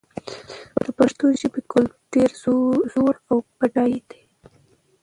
د پښتو ژبې کلتور ډېر زوړ او بډای دی.